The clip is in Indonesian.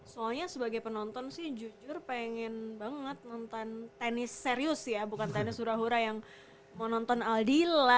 soalnya sebagai penonton sih jujur pengen banget nonton tenis serius ya bukan tenis hura hura yang mau nonton aldila